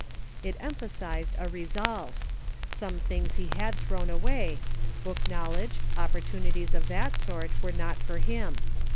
It emphasized a resolve ; some things he had thrown away; book knowledge, opportunities of that sort, were not for him.